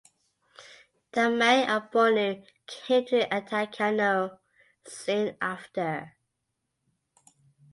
The Mai of Bornu came to attack Kano soon after.